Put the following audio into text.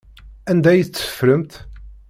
Anda ay tt-teffremt?